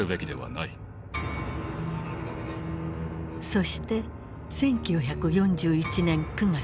そして１９４１年９月。